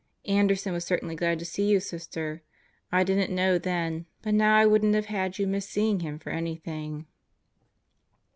Anderson was certainly glad to see you, Sister. I didn't know then, but now I wouldn't have had you miss seeing him for anything.